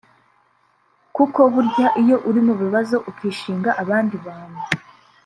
Kuko burya iyo uri mu bibazo ukishinga abandi bantu